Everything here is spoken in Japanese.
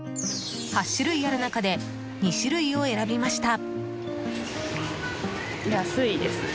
８種類ある中で２種類を選びました。